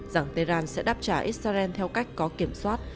rằng tehran sẽ đáp trả israel theo cách có kiểm soát